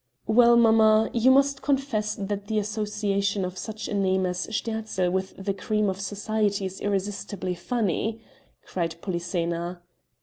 "Well, mamma, you must confess that the association of such a name as Sterzl with the cream of society is irresistibly funny," cried Polyxena.